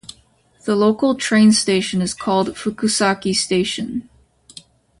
The local train station is called Fukusaki Station.